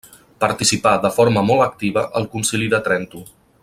Participà de forma molt activa al Concili de Trento.